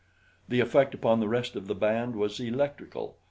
The effect upon the rest of the band was electrical.